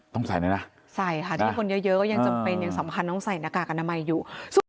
ต้องใส่เลยนะใส่ค่ะที่คนเยอะก็ยังจำเป็นยังสำคัญต้องใส่หน้ากากอนามัยอยู่